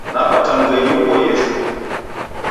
Napata mghenyi upoie shuu.